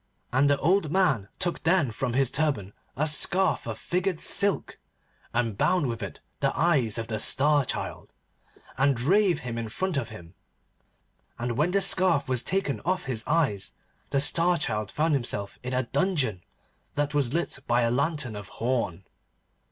And the old man took then from his turban a scarf of figured silk, and bound with it the eyes of the Star Child, and drave him in front of him. And when the scarf was taken off his eyes, the Star Child found himself in a dungeon, that was lit by a lantern of horn.